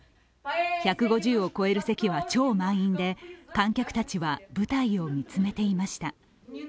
１５０を超える席は超満員で観客たちは舞台を見つめていました。